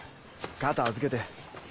肩預けて。